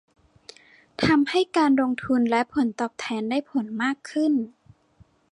ทำให้การลงทุนและผลตอบแทนได้ผลมากขึ้น